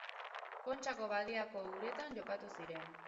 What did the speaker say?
Kontxako Badiako uretan jokatu ziren.